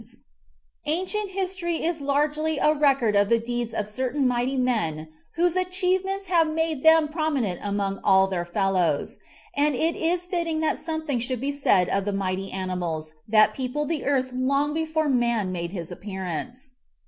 9 10 MIGHTY ANIMALS Ancient history is largely a record of the deeds of certain mighty men whose achievements have made them prominent among all their fellows, and it is fitting that something should be said of the mighty animals that peopled the earth long before man made his appearance.